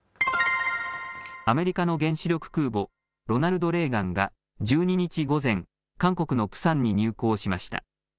アメリカの原子力空母ロナルド・レーガンが１２日午前、韓国のプサンに入港しました。